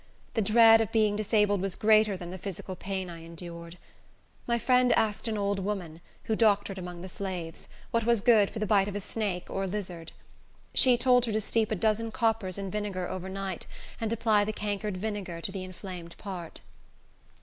The dread of being disabled was greater than the physical pain I endured. My friend asked an old woman, who doctored among the slaves, what was good for the bite of a snake or a lizard. She told her to steep a dozen coppers in vinegar, over night, and apply the cankered vinegar to the inflamed part.